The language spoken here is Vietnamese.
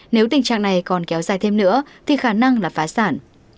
nếu tình trạng này còn kéo dài thêm nữa thì khả năng là phá sản